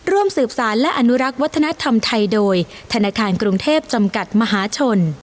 ร่วมสืบสารและอนุรักษ์วัฒนธรรมไทยโดยธนาคารกรุงเทพจำกัดมหาชน